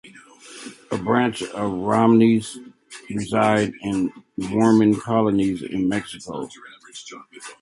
A branch of the Romneys reside in the Mormon colonies in Mexico.